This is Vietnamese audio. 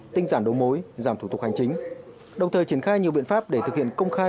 tinh giản đấu mối giảm thủ tục hành chính đồng thời triển khai nhiều biện pháp để thực hiện công khai